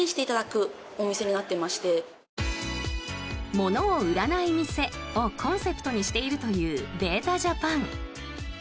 ものを売らない店をコンセプトにしているというｂ８ｔａＪａｐａｎ。